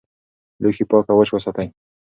لوښي پاک او وچ وساتئ.